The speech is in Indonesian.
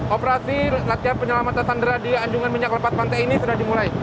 operasi latihan penyelamatan sandera di anjungan minyak lepat pantai ini sudah dimulai